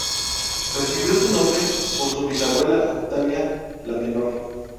Recibió su nombre por su bisabuela Octavia la Menor.